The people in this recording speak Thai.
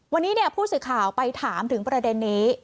วันนี้ผู้สื่อข่าวไปถามถึงประเด็นนี้